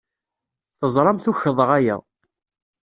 Teẓramt ukḍeɣ aya.